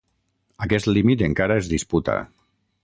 Aquest límit encara es disputa.